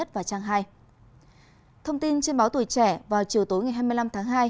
thông tin trên báo tuổi trẻ vào chiều tối ngày hai mươi năm tháng hai